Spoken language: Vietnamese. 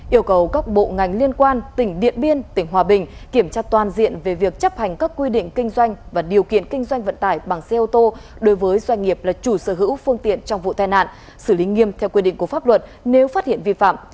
yêu cầu các bộ ngành liên quan tỉnh điện biên tỉnh hòa bình kiểm tra toàn diện về việc chấp hành các quy định kinh doanh và điều kiện kinh doanh vận tải bằng xe ô tô đối với doanh nghiệp là chủ sở hữu phương tiện trong vụ tai nạn xử lý nghiêm theo quy định của pháp luật nếu phát hiện vi phạm